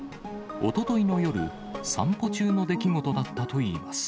おとといの夜、散歩中の出来事だったといいます。